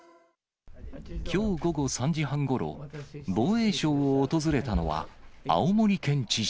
きょう午後３時半ごろ、防衛省を訪れたのは、青森県知事。